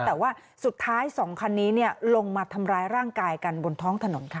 แต่ว่าสุดท้ายสองคันนี้ลงมาทำร้ายร่างกายกันบนท้องถนนค่ะ